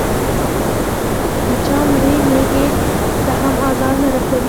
د چا مړې مېږې ته هم ازار نه رسوي.